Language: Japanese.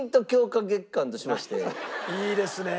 いいですね。